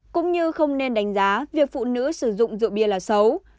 cũng như không nên đánh giá việc phụ nữ sử dụng rượu bia là xấu